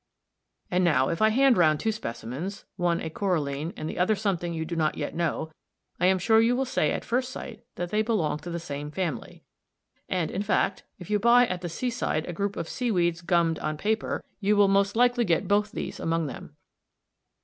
And now if I hand round two specimens one a coralline, and the other something you do not yet know I am sure you will say at first sight that they belong to the same family, and, in fact, if you buy at the seaside a group of seaweeds gummed on paper, you will most likely get both these among them.